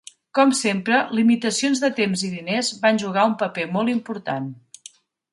Com sempre, limitacions de temps i diners van jugar un paper molt important.